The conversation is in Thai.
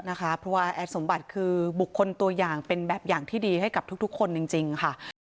เพราะว่าแอดสมบัติคือบุคคลตัวอย่างเป็นแบบอย่างที่ดีให้กับทุกคนจริงค่ะ